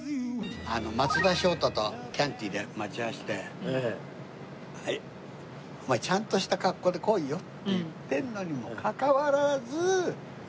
松田翔太とキャンティで待ち合わせして「お前ちゃんとした格好で来いよ」って言ってるのにもかかわらず。